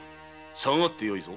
下がってよいぞ。